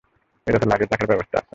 এটাতে লাগেজ রাখার ব্যবস্থা আছে।